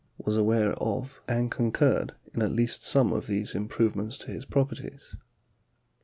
1032 was aware of and concurred in at least some of these improve ments to his properties. 7.